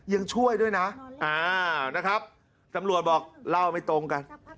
ยังช่วยด้วยนะนะครับตำรวจบอกเล่าไม่ตรงกัน